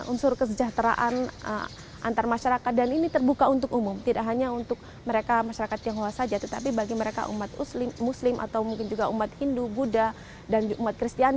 unsur kesejahteraan antar masyarakat dan ini terbuka untuk umum tidak hanya untuk mereka masyarakat tionghoa saja tetapi bagi mereka umat muslim atau mungkin juga umat hindu buddha dan umat kristian